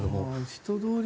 人通り